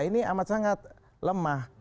ini amat sangat lemah